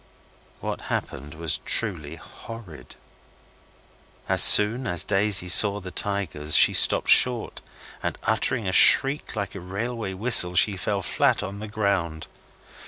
What happened was truly horrid. As soon as Daisy saw the tigers she stopped short, and uttering a shriek like a railway whistle she fell flat on the ground.